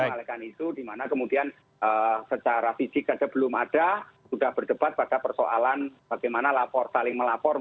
jadi mengalihkan isu di mana kemudian secara fisik ada belum ada sudah berdebat pada persoalan bagaimana lapor saling melapor